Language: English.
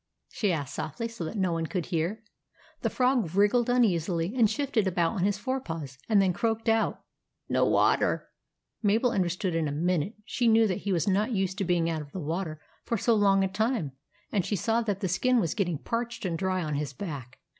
she asked softly so that no one could hear. The Frog wriggled uneasily, and shifted about on his fore paws, and then croaked out, —" No water !" Mabel understood in a minute. She knew that he was not used to being out of the water for so long a time, and she saw that the skin was getting parched and dry on his back.